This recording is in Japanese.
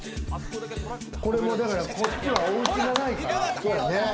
これもだから、こっちはおうちがないから。